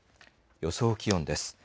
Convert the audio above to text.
予想気温です。